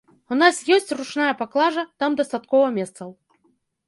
У нас ёсць ручная паклажа, там дастаткова месцаў.